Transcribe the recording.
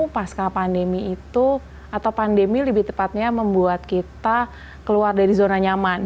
pasca pandemi itu atau pandemi lebih tepatnya membuat kita keluar dari zona nyaman